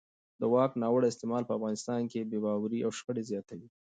د واک ناوړه استعمال په افغانستان کې بې باورۍ او شخړې زیاتوي